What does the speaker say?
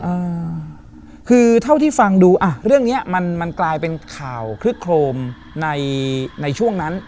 อ่าคือเท่าที่ฟังดูอ่ะเรื่องเนี้ยมันมันกลายเป็นข่าวคลึกโครมในในช่วงนั้น